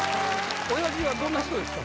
親父はどんな人ですか？